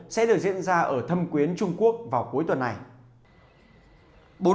sẽ được diễn ra ở thâm quyến trung quốc vào cuối tuần này